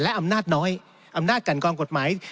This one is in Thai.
และอำนาจน้อยอำนาจกันกองกฎหมาย